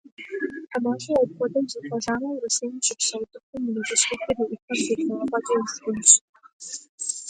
А если за неделю так изменился россиянин, что щеки сожгу огнями губ ему.